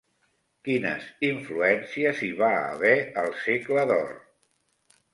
Quines influències hi va haver al segle d'or?